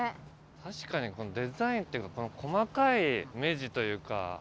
確かにこのデザインというかこの細かい目地というか。